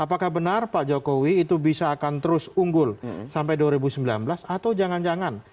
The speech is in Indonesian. apakah benar pak jokowi itu bisa akan terus unggul sampai dua ribu sembilan belas atau jangan jangan